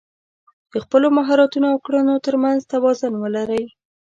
د خپلو مهارتونو او کړنو تر منځ توازن ولرئ.